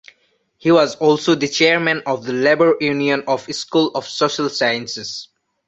He was also the chairman of the labor union of School of Social Sciences.